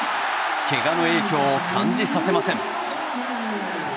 けがの影響を感じさせません。